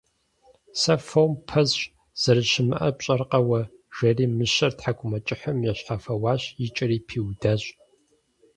Сэ фом пэсщӏ зэрыщымыӏэр пщӏэркъэ уэ! - жери мыщэр тхьэкӏумэкӏыхьым ещхьэфэуащ, и кӏэри пиудащ.